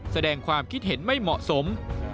แสดงความคิดเห็นไม่เหมาะสม